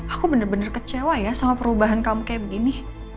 aku benar benar kecewa ya sama perubahan kamu kayak begini